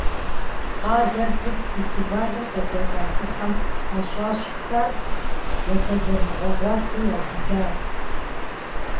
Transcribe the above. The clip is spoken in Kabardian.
Къалэр цӏыкӏут, фестивалым къекӏуэлӏа цӏыхухэм хьэщӏэщхэр яхузэрмыгъэгъуэту яубыдат.